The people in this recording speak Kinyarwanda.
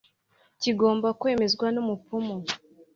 kigomba kwemezwa n umupfumu